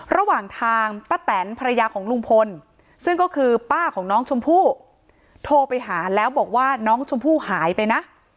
ระหว่างทางป้าแตนภรรยาของลุงพลซึ่งก็คือป้าของน้องชมพู่โทรไปหาแล้วบอกว่าน้องชมพู่หายไปนะ